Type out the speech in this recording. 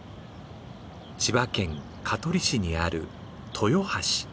千葉県香取市にある樋橋。